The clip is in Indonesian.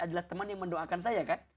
adalah teman yang mendoakan saya kan